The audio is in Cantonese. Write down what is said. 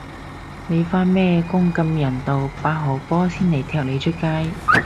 你返咩工咁人道，八號波先嚟踢你出街